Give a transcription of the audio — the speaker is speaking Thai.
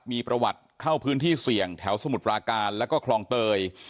มีประวัติเข้าพื้นที่เสี่ยงแถวสมุทรปราการแล้วก็คลองเตย